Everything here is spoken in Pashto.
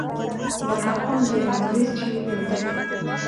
لکه خُم ته د رنګرېز چي وي لوېدلی